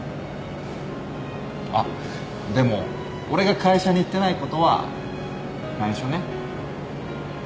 あっでも俺が会社に行ってないことは内緒ね。